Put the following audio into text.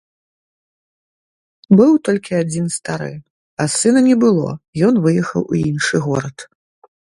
Быў толькі адзін стары, а сына не было, ён выехаў у іншы горад.